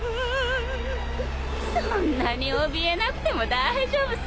そんなにおびえなくても大丈夫さ。